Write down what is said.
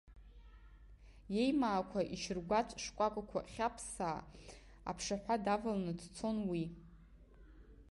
Иеимаақәа, ишьыргәацә шкәакәақәа хьаԥссаа, аԥшаҳәа даваланы дцон уи.